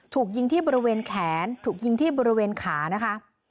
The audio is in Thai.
ถูกยิงที่บริเวณแขนถูกยิงที่บริเวณขานะคะ